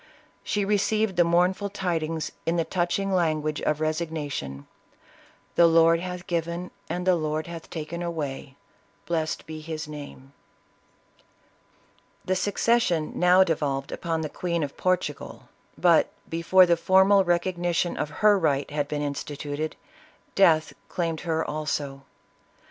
She received the mournful tidings in the touching language of resignation, " The Lord hath given, and the Lord hath taken away, blessed be his name !" The succession now devolved upon the Queen of Portugal, but before the formal recognition of her right had been instituted, death claimed her also.